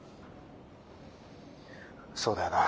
そうだよな。